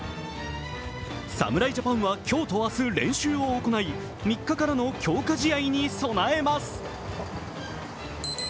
侍ジャパンは今日と明日、練習を行い３日からの強化試合に備えます。